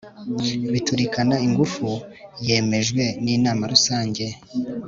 biturikana ingufu yemejwe n inama rusange